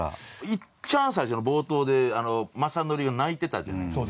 いっちゃん最初の冒頭で雅紀が泣いてたじゃないですか。